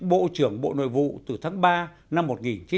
bộ trưởng bộ nội vụ từ tháng ba năm một nghìn chín trăm bốn mươi sáu